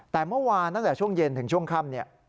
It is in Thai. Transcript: แต่เมื่อวานตั้งแต่ช่วงเย็นถึงช่วงค่ำเนี่ย